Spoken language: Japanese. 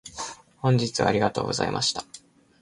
本日はありがとうございました。